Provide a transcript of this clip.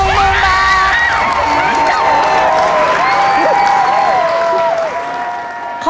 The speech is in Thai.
โอ้โห